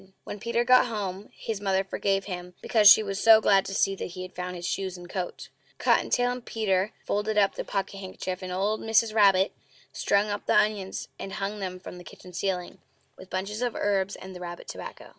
When Peter got home his mother forgave him, because she was so glad to see that he had found his shoes and coat. Cotton tail and Peter folded up the pocket handkerchief, and old Mrs. Rabbit strung up the onions and hung them from the kitchen ceiling, with the bunches of herbs and the rabbit tobacco.